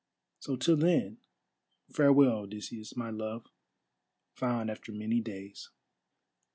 So till then, farewell, Odysseus, my love, found after many days."